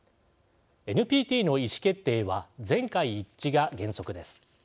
ＮＰＴの意思決定は全会一致が原則です。